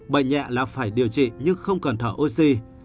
bệnh nhẹ là phải điều trị nhưng không cần thở oxy